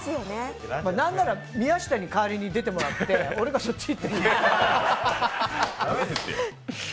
何なら宮下に代わりに出てもらって、俺がそっちを。